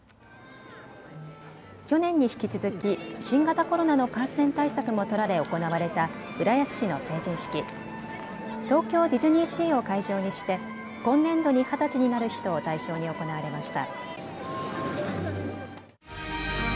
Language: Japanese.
去年に引き続き新型コロナの感染対策も取られ行われた浦安市の成人式、東京ディズニーシーを会場にして今年度に二十歳になる人を対象に行われました。